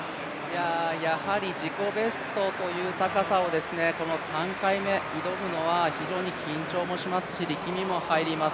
自己ベストという高さをこの３回目、挑むのは非常に緊張もしますし力みも入ります。